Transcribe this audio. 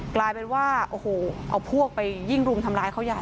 กลายเป็นว่าโอ้โหเอาพวกไปยิ่งรุมทำร้ายเขาใหญ่